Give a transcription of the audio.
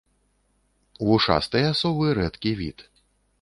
Вушастыя совы рэдкі від.